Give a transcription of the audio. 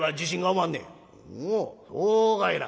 「おおそうかいな。